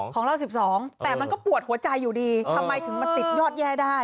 ของเรา๑๒แต่มันก็ปวดหัวใจอยู่ดีทำไมถึงมาติดยอดแย่ได้